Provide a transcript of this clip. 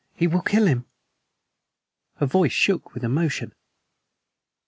He will kill him!" Her voice shook with emotion.